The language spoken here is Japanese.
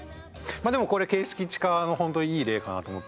まあでもこれ形式知化の本当いい例かなと思っていて。